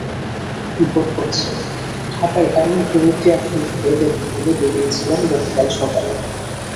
Vote হচ্ছে, ঢাকার এমন দু-একটি আসন ঘুরে দেখব বলে বেরিয়েছিলাম গতকাল সকালে।